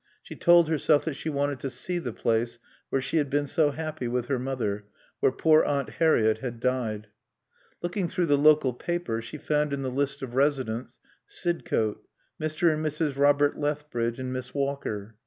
She told herself that she wanted to see the place where she had been so happy with her mother, where poor Aunt Harriett had died. Looking through the local paper she found in the list of residents: Sidcote Mr. and Mrs. Robert Lethbridge and Miss Walker.